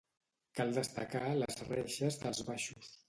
Cal destacar les reixes dels baixos.